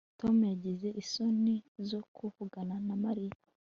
Tom yagize isoni zo kuvugana na Mariya